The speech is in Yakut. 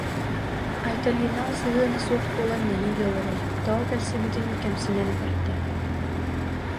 Айталинаҕа сыһыана суох буолан нэһиилэ олорор, тоҕо кэлсибитин кэмсинэн барда